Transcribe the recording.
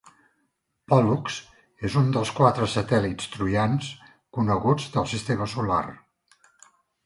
Pòl·lux és un dels quatre satèl·lits troians coneguts del sistema solar.